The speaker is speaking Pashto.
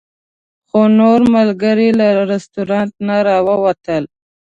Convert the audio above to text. خو نور ملګري له رسټورانټ نه راووتل.